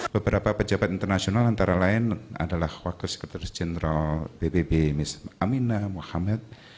beberapa pejabat internasional antara lain adalah wakil sekretaris jenderal pbb aminah muhammad